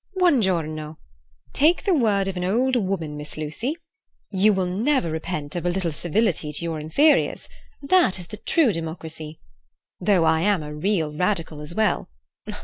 "Buon giorno! Take the word of an old woman, Miss Lucy: you will never repent of a little civility to your inferiors. That is the true democracy. Though I am a real Radical as well.